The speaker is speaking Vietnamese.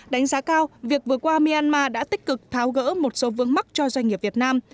đánh giá cao việc vừa qua myanmar đã tích cực tháo gỡ một số vướng mắt cho doanh nghiệp việt nam